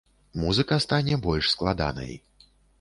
Музыка стане больш складанай.